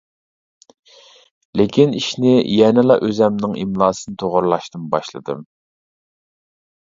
لېكىن ئىشنى يەنىلا ئۆزۈمنىڭ ئىملاسىنى توغرىلاشتىن باشلىدىم.